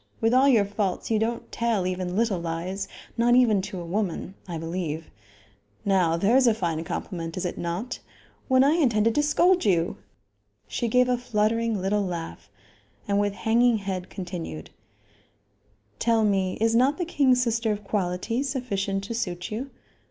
With all your faults, you don't tell even little lies; not even to a woman I believe. Now there is a fine compliment is it not? when I intended to scold you!" She gave a fluttering little laugh, and, with hanging head, continued: "Tell me, is not the king's sister of quality sufficient to suit you?